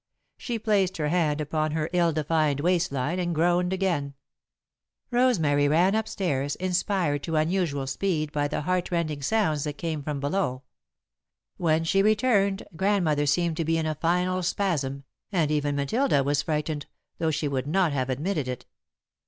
She placed her hand upon her ill defined waist line, and groaned again. [Sidenote: Rosemary to the Rescue] Rosemary ran up stairs, inspired to unusual speed by the heartrending sounds that came from below. When she returned, Grandmother seemed to be in a final spasm, and even Matilda was frightened, though she would not have admitted it.